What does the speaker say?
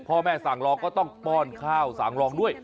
พ่อแม่สั่งลองก็ต้องป้อนข้าวสั่งลองด้วย